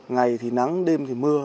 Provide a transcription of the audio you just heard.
ngày thì nắng đêm thì mưa